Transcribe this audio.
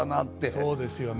そうですよね。